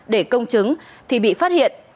để công chứng thì bị phát hiện